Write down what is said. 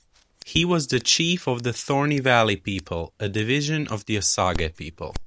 He was the chief of the Thorny-Valley people, a division of the Osage people.